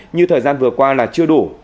như thời gian vừa qua là chưa đủ